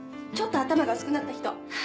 ちょっと頭が薄くなった人。